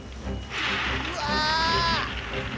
うわ！